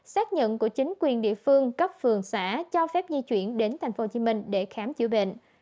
xác nhận của chính quyền địa phương cấp phường xã cho phép di chuyển đến tp hcm để khám chữa bệnh